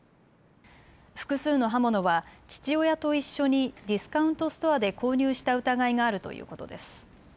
複数の刃物は父親と一緒にディスカウントストアで購入した疑いがあるということです。